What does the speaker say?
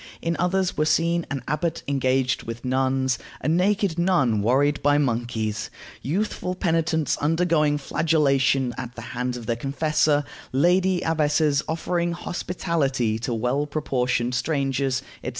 In others were seen an abbot engaged with nuns, a naked nun worried by monkeys, youthful penitents undergoing flagellation at the hands of their confessor, lady abbesses offering hospitality to well proportioned strangers, etc.